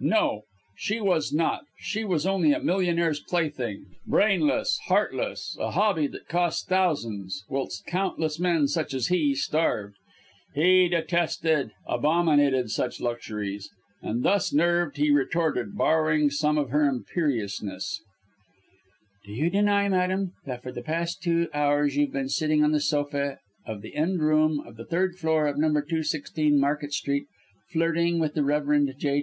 No! She was not she was only a millionaire's plaything brainless, heartless a hobby that cost thousands, whilst countless men such as he starved. He detested abominated such luxuries! And thus nerved he retorted, borrowing some of her imperiousness "Do you deny, madam, that for the past two hours you've been sitting on the sofa of the end room of the third floor of No. 216, Market Street, flirting with the Rev. J.